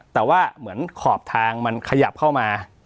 แต่ว่าเหมือนขอบทางมันขยับเข้ามา